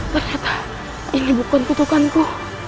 ternyata ini bukan kebutuhanku